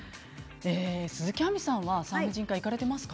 鈴木亜美さんは産婦人科行かれていますか？